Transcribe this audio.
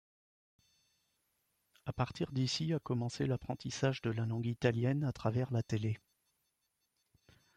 À partir d’ici a commencé l’apprentissage de la langue italienne à travers la télé.